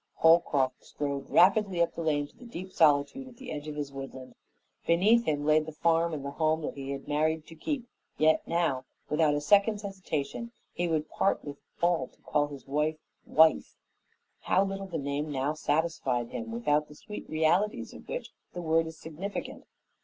Holcroft strode rapidly up the lane to the deep solitude at the edge of his woodland. Beneath him lay the farm and the home that he had married to keep, yet now, without a second's hesitation, he would part with all to call his wife WIFE. How little the name now satisfied him, without the sweet realities of which the word is significant!